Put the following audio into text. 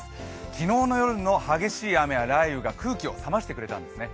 昨日の夜の激しい雨や雷雨が空気を冷ましてくれたんですね。